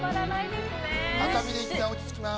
赤身でいったん落ち着きます。